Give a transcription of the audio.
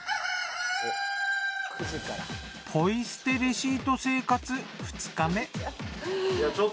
ポイ捨てレシート生活２日目。